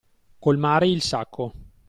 Colmare il sacco.